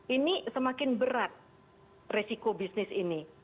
ini semakin berat resiko bisnis ini